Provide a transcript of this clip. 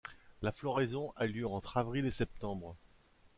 La floraison a lieu entre avril et septembre.